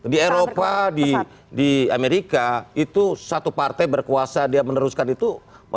di eropa di amerika satu partai berkuasa meneruskan itu